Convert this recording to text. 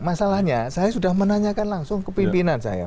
masalahnya saya sudah menanyakan langsung kepimpinan saya